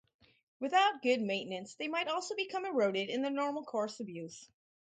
Without good maintenance, they might also become eroded in the normal course of use.